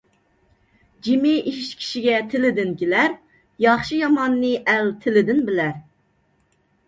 جىمى ئىش كىشىگە تىلىدىن كېلەر، ياخشى - ياماننى ئەل تىلىدىن بىلەر.